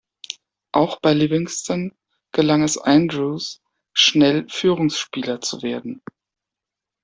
Auch bei Livingston gelang es Andrews schnell Führungsspieler zu werden.